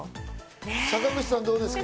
坂口さん、どうですか？